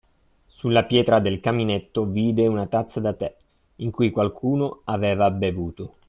Sulla pietra del caminetto vide una tazza da tè, in cui qualcuno aveva bevuto.